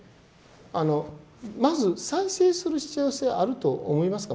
まず再生する必要性あると思いますか？